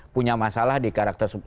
punya masalah di karakter